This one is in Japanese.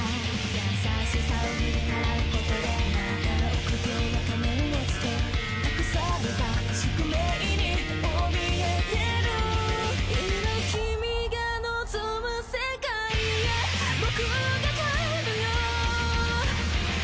優しさを振り払うことでまた臆病な仮面をつけ託された宿命に怯えている今君が望む世界へ僕が変えるよ